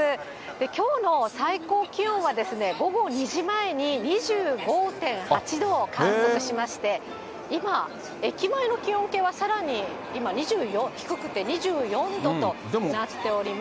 きょうの最高気温は、午後２時前に２５．８度を観測しまして、今、駅前の気温計はさらに低くて２４度となっております。